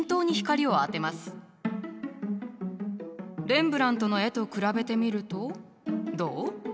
レンブラントの絵と比べてみるとどう？